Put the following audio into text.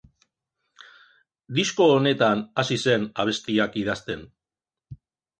Disko honetan hasi zen abestiak idazten.